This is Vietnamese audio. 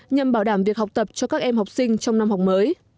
nhằm bảo đảm việc học tập cho các em học sinh trong năm học mới